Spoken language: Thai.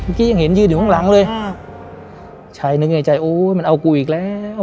เมื่อกี้ยังเห็นยืนอยู่ข้างหลังเลยชัยหนึ่งในใจโอ๋มันเอากูอีกแล้ว